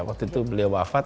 waktu itu beliau wafat